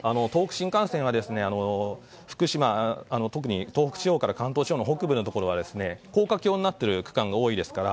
東北新幹線は福島、特に東北地方から関東地方の北部に関しては高架橋になっている区間が多いので。